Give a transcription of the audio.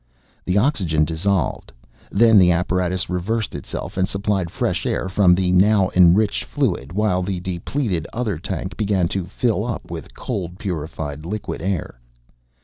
The oxygen dissolved. Then the apparatus reversed itself and supplied fresh air from the now enriched fluid, while the depleted other tank began to fill up with cold purified liquid air.